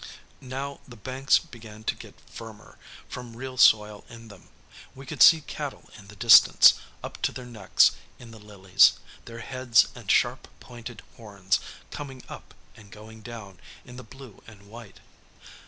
Now, the banks began to get firmer, from real soil in them. We could see cattle in the distance, up to their necks in the lilies, their heads and sharp pointed horns coming up and going down in the blue and white.